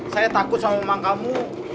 saya takut sama mang kamu